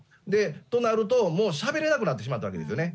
となると、もうしゃべれなくなってしまったわけですよね。